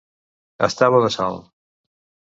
Estar bo de sal.